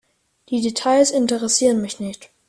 Die Details interessieren mich nicht.